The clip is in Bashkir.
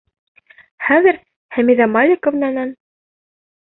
Хәҙер Хәмиҙә Маликовнанан...